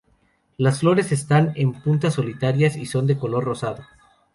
Las flores están en puntas solitarias y son de color rosado.